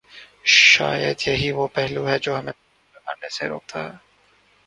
شاید یہی وہ پہلو ہے جو ہمیں فتوی لگانے سے روکتا ہے۔